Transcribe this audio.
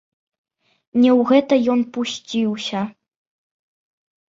Не ў гэта ён пусціўся.